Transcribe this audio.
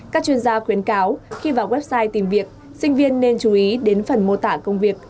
các chuyên gia khuyến cáo khi vào website tìm việc sinh viên nên chú ý đến phần mô tả công việc